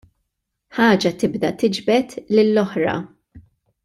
Ħaġa tibda tiġbed lill-oħra.